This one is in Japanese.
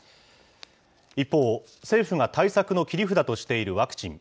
一方、政府が対策の切り札としているワクチン。